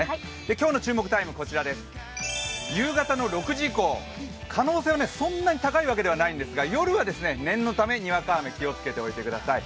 今日の注目タイムは夕方の６時以降可能性はそんなに高いわけではないんですが夜は念のためにわか雨に気を付けておいてください。